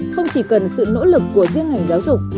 không chỉ cần sự nỗ lực của riêng ngành giáo dục